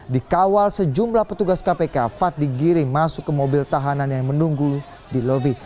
dikawal sejumlah petugas kpk fad digirim masuk ke mobil tahanan yang menunggu di lobi